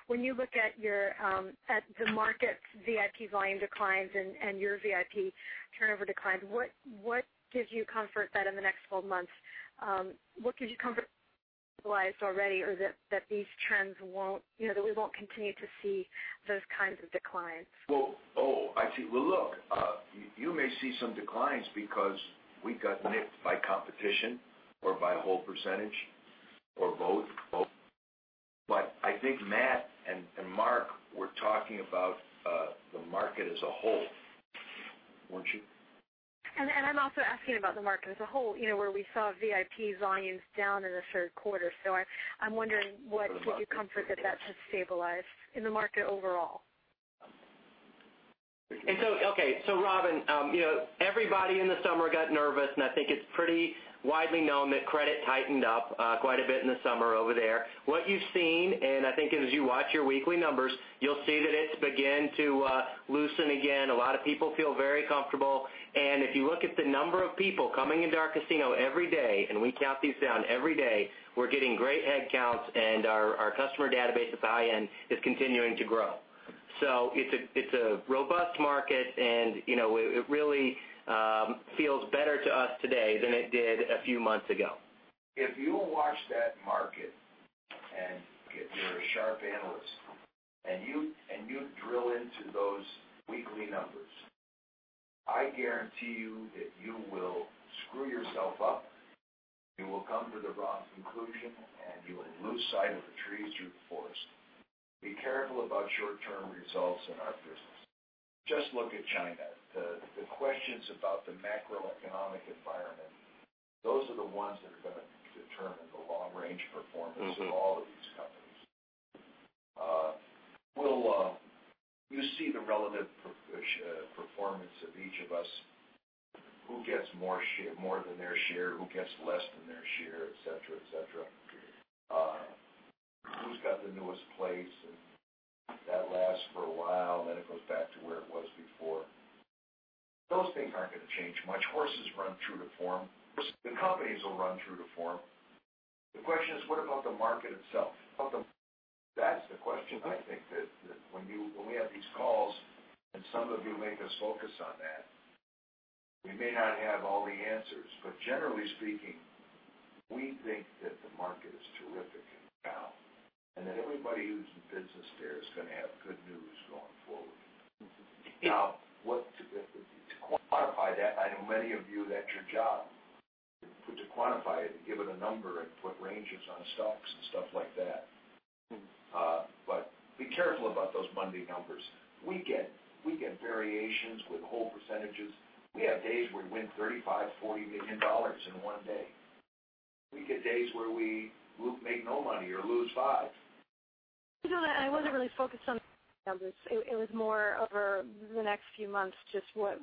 When you look at the market VIP volume declines and your VIP turnover declines, what gives you comfort that in the next 12 months, stabilized already or that we won't continue to see those kinds of declines? Well, look, you may see some declines because we got nipped by competition or by whole percentage or both. I think Matt and Marc were talking about the market as a whole, weren't you? I'm also asking about the market as a whole, where we saw VIP volumes down in the third quarter. I'm wondering what gives you comfort that that should stabilize in the market overall? Okay, Robin, everybody in the summer got nervous, and I think it's pretty widely known that credit tightened up quite a bit in the summer over there. What you've seen, and I think as you watch your weekly numbers, you'll see that it's began to loosen again. A lot of people feel very comfortable. If you look at the number of people coming into our casino every day, and we count these down every day, we're getting great headcounts and our customer database at the high end is continuing to grow. It's a robust market, and it really feels better to us today than it did a few months ago. If you watch that market, and you're a sharp analyst, and you drill into those weekly numbers, I guarantee you that you will screw yourself up, you will come to the wrong conclusion, and you will lose sight of the trees through the forest. Be careful about short-term results in our business. Just look at China. The questions about the macroeconomic environment, those are the ones that are going to determine the long-range performance of all of these companies. You see the relative performance of each of us, who gets more than their share, who gets less than their share, et cetera. Who's got the newest place, and that lasts for a while, and then it goes back to where it was before. Those things aren't going to change much. Horses run true to form. The companies will run true to form. The question is, what about the market itself? That's the question, I think that when we have these calls, and some of you make us focus on that, we may not have all the answers. Generally speaking, we think that the market is terrific and balanced and that everybody who's in business there is going to have good news going forward. Now, to quantify that, I know many of you, that's your job. To quantify it and give it a number and put ranges on stocks and stuff like that. Be careful about those Monday numbers. We get variations with whole percentages. We have days where we win $35 million, $40 million in one day. We get days where we make no money or lose five. No, I wasn't really focused on numbers. It was more over the next few months, just what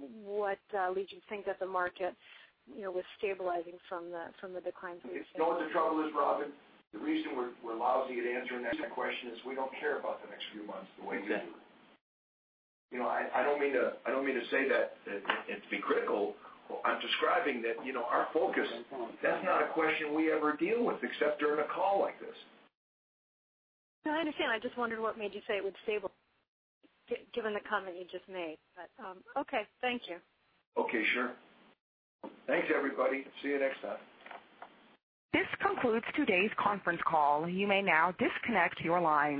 leads you to think that the market was stabilizing from the declines we've seen. You know what the trouble is, Robin? The reason we're lousy at answering that question is we don't care about the next few months the way you do. Exactly. I don't mean to say that and to be critical. I'm describing that our focus, that's not a question we ever deal with except during a call like this. No, I understand. I just wondered what made you say it would stable, given the comment you just made. Okay, thank you. Okay, sure. Thanks, everybody. See you next time. This concludes today's conference call. You may now disconnect your line.